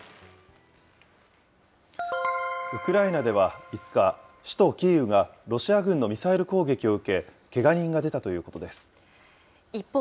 ウクライナでは５日、首都キーウがロシア軍のミサイル攻撃を受け、けが人が出たということで一方